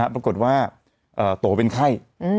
ปรากฏว่าโตเป็นไข้